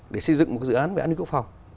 để xây dựng một dự án về an ninh quốc phòng